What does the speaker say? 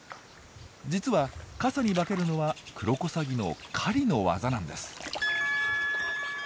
実は傘に化けるのはクロコサギの狩りの技なんです。